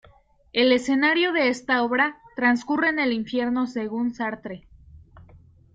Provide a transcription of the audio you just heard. El escenario de esta obra transcurre en el infierno según Sartre.